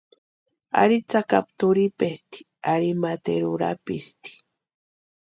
Ari tsakapu turhipesti ari materu urapisti.